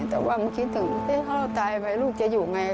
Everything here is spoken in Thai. แต่ว่ามันคิดถึงที่เขาตายไปลูกจะอยู่ไง